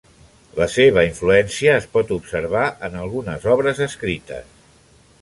La seva influència es pot observar en algunes obres escrites.